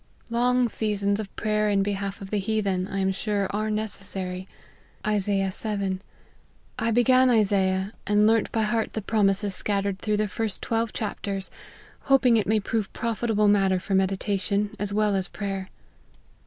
Long seasons of prayer in behalf of the heathen, I am sure, are necessary ; Isaiah Ixii. I began Isaiah, and learnt by heart the promises scattered through the first twelve chapters, hoping it may prove pro fitable matter for meditation as well as prayer.